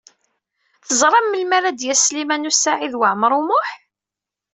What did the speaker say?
Teẓram melmi ara d-yas Sliman U Saɛid Waɛmaṛ U Muḥ?